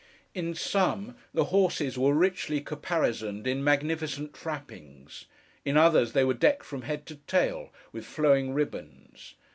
In some, the horses were richly caparisoned in magnificent trappings; in others they were decked from head to tail, with flowing ribbons.